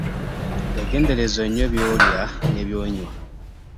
Weegenderezza nnyo by'olya ne by'onywa.